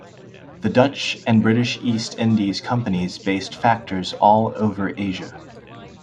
The Dutch and British East Indies companies based factors all over Asia.